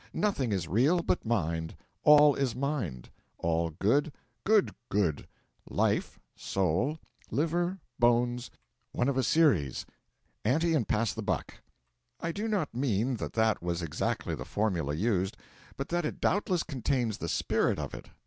Nothing is real but Mind; all is Mind, All Good, Good Good, Life, Soul, Liver, Bones, one of a series, ante and pass the buck!' I do not mean that that was exactly the formula used, but that it doubtless contains the spirit of it.